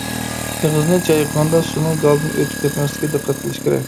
ئېغىزنى چايقىغاندا سۇنىڭ گالدىن ئۆتۈپ كەتمەسلىكىگە دىققەت قىلىش كېرەك.